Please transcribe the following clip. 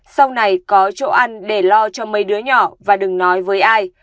sau này có chỗ ăn để lo cho mấy đứa nhỏ và đừng nói với ai